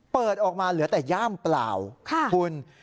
เปิดออกมาเหลือแต่ย่ามเปล่าคุณ